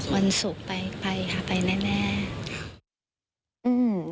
วันสุขไปค่ะไปแน่